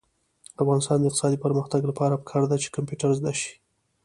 د افغانستان د اقتصادي پرمختګ لپاره پکار ده چې کمپیوټر زده شي.